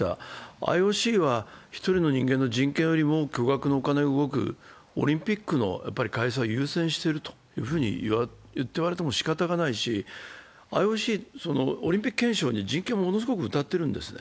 ＩＯＣは１人の人間の人権よりも巨額のお金が動くオリンピックの開催を優先していると言われてもしかたがないしＩＯＣはオリンピック憲章に人権をものすごくうたっているんですね。